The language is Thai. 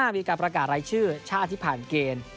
มีการประกาศรายชื่อชาติที่ผ่านเกณฑ์